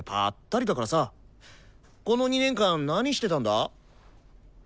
この２年間何してたんだ？